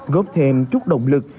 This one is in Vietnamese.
góp thêm chút động lực